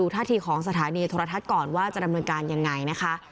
ท่าทีของสถานีโทรทัศน์ก่อนว่าจะดำเนินการยังไงนะคะ